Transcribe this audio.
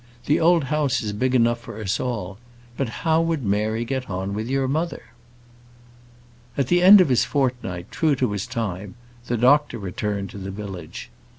The old house is big enough for us all. But how would Mary get on with your mother?" At the end of his fortnight, true to his time, the doctor returned to the village.